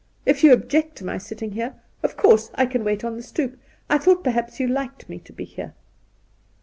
If you oilyect to my sitting here, of course I can wait on the stoep. I thought perhaps you liked me to be here.'